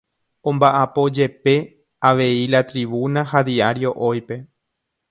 Ombaʼapo jepe avei La Tribuna ha Diario Hoype.